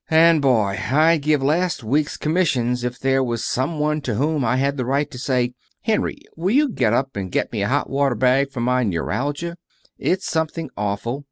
And, boy, I'd give last week's commissions if there was some one to whom I had the right to say: 'Henry, will you get up and get me a hot water bag for my neuralgia? It's something awful.